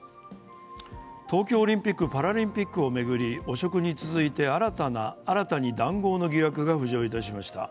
東京オリンピック・パラリンピックを巡り、汚職に続いて新たに談合の疑惑が浮上しました。